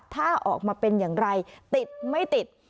ถ้าออกมาเป็นอย่างไรติดไม่ติด